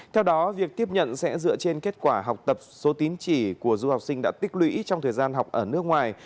theo đó việc tiếp nhận sẽ dựa trên kết quả học tập số tín chỉ của du học sinh đã tích lũy trong thời gian học ở nước ngoài